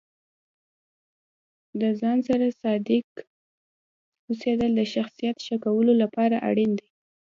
د ځان سره صادق اوسیدل د شخصیت ښه کولو لپاره اړین دي.